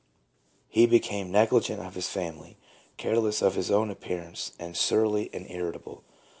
He became negligent of his family, careless of his own appear ance, and surly and irritable.